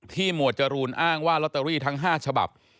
หมวดจรูนอ้างว่าลอตเตอรี่ทั้ง๕ฉบับ